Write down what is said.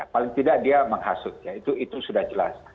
paling tidak dia menghasut ya itu sudah jelas